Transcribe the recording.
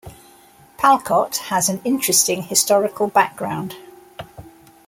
Palkot has an interesting historical background.